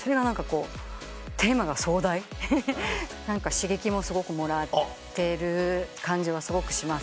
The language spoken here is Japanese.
刺激もすごくもらってる感じはすごくします。